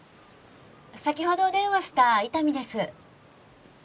先ほどお電話した伊丹です。